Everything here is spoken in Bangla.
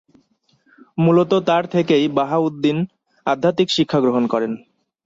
মূলত তার থেকেই বাহা-উদ-দিন আধ্যাত্মিক শিক্ষা গ্রহণ করেন।